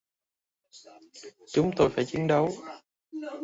chúng tôi phải chiến đấu